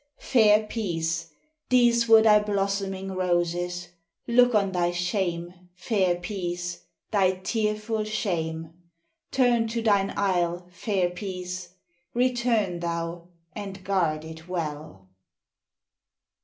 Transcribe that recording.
fair Peace, These were thy blossoming roses. Look on thy shame, fair Peace, thy tearful shame! Turn to thine isle, fair Peace; return thou and guard it well!